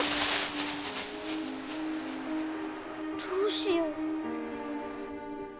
どうしよう。